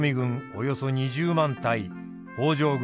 およそ２０万対北条軍